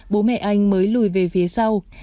bố mẹ anh mới lùi về phía sau